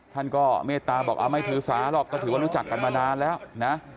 ท่านก็เมตตาบอกไม่ถือสาหรอกก็ถือว่ารู้จักกันมานานแล้วนะ